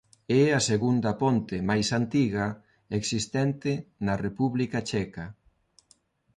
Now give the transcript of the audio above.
É a segunda ponte máis antiga existente na República Checa.